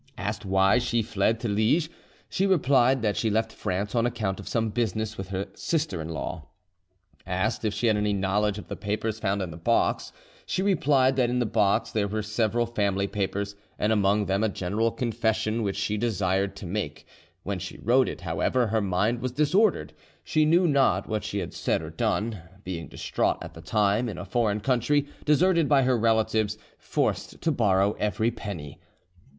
Asked why she fled to Liege, she replied that she left France on account of some business with her sister in law. Asked if she had any knowledge of the papers found in the box, she replied that in the box there were several family papers, and among them a general confession which she desired to make; when she wrote it, however, her mind was disordered; she knew not what she had said or done, being distraught at the time, in a foreign country, deserted by her relatives, forced to borrow every penny.